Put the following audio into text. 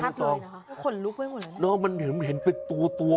คุณต้องมันเห็นเป็นตัว